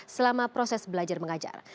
selama proses belajar mengajar